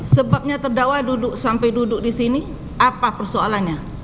sebabnya terdakwa duduk sampai duduk di sini apa persoalannya